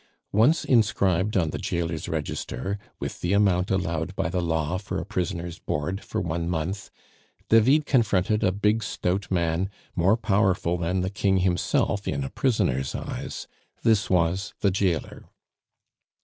Once inscribed on the jailer's register, with the amount allowed by the law for a prisoner's board for one month, David confronted a big, stout man, more powerful than the King himself in a prisoner's eyes; this was the jailer.